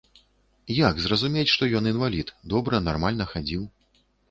Як зразумець, што ён інвалід, добра, нармальна хадзіў.